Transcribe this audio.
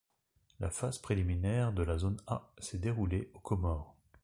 La phase préliminaire de la Zone A s'est déroulée aux Comores.